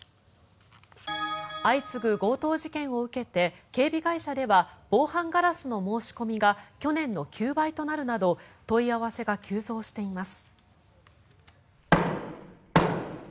相次ぐ強盗事件を受けて警備会社では防犯ガラスの申し込みが去年の９倍となるなど問い合わせが急増しています。